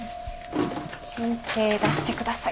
申請出してください。